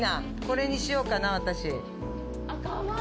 これにしようかな、私。